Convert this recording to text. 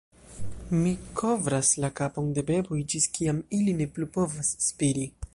"Mi kovras la kapon de beboj ĝis kiam ili ne plu povas spiri."